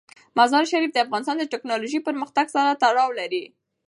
مزارشریف د افغانستان د تکنالوژۍ پرمختګ سره تړاو لري.